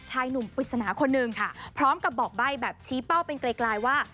ชายหนุ่มปริศนาคนหนึ่งค่ะพร้อมกับบอกใบ้แบบชี้เป้าเป็นไกลว่า